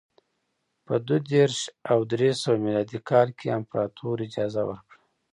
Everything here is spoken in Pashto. په دوه دېرش او درې سوه میلادي کال کې امپراتور اجازه ورکړه